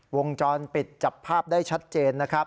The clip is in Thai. วงจรปิดจับภาพได้ชัดเจนนะครับ